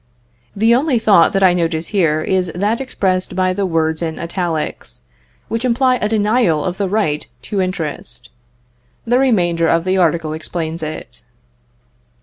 The only thought that I notice here, is that expressed by the words in italics, which imply a denial of the right to interest. The remainder of the article explains it.